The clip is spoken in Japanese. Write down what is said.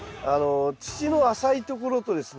土の浅いところとですね